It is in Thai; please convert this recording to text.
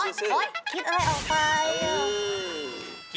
คิดอะไรออกไป